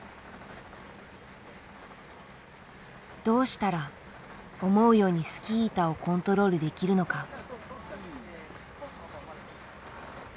どうしたら思うようにスキー板をコントロールできるのか。